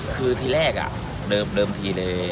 คือทีแรกอ่ะ